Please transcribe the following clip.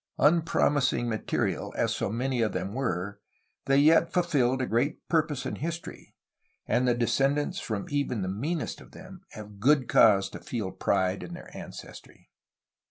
Unpromising material as so many of them were, they yet fulfilled a great purpose in his tory, and the descendants from even the meanest of them have good cause to feel pride in their ancestry.